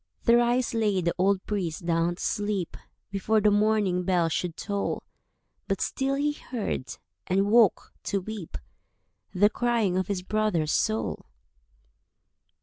Thrice lay the old priest down to sleep Before the morning bell should toll; But still he heard—and woke to weep— The crying of his brother's soul.